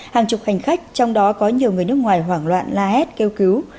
hàng chục hành khách trong đó có nhiều người nước ngoài hoảng loạn la hét kêu cứu